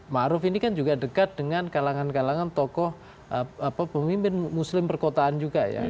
ma'ruf ini kan juga dekat dengan kalangan kalangan tokoh pemimpin muslim perkotaan juga ya